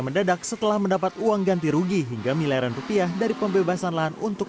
mendadak setelah mendapat uang ganti rugi hingga miliaran rupiah dari pembebasan lahan untuk